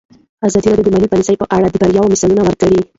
ازادي راډیو د مالي پالیسي په اړه د بریاوو مثالونه ورکړي.